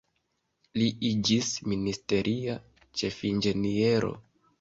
Li iĝis ministeria ĉefinĝeniero.